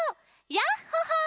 「ヤッホ・ホー」！